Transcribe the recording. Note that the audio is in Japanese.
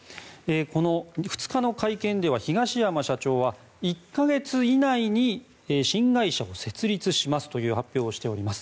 この２日の会見では東山社長は１か月以内に新会社を設立しますという発表をしております。